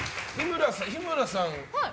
日村さん